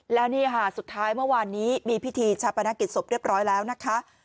แล้วนี่ค่ะสุดท้ายเมื่อวานนี้มีพิธีชาปนกิจศพเรียบร้อยแล้วนะคะ